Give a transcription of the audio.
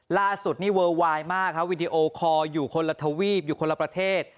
ล่าสุดนี่เวอร์ไวน์มากครับวีดีโอคอร์อยู่คนละทวีปอยู่คนละประเทศ